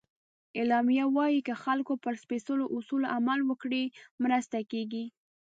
اعلامیه وایي که خلک پر سپیڅلو اصولو عمل وکړي، مرسته کېږي.